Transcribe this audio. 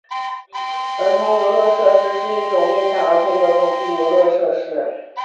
儿童游乐设施是一种面向儿童的投币游乐设施。